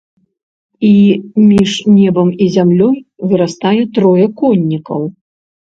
І між небам і зямлёй вырастае трое коннікаў.